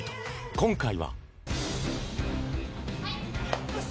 今回は。